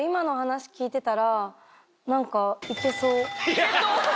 いけそう？